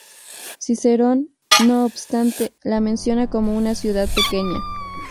Cicerón, no obstante, la menciona como una ciudad pequeña.